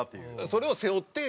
それを背負って。